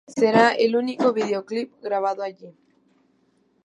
Será el único videoclip grabado allí.